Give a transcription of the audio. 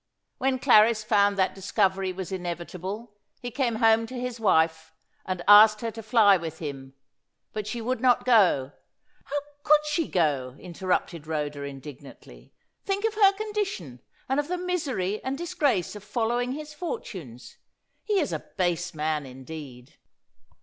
When Clarris found that discovery was inevitable, he came home to his wife and asked her to fly with him. But she would not go " "How could she go?" interrupted Rhoda indignantly. "Think of her condition, and of the misery and disgrace of following his fortunes. He is a base man indeed."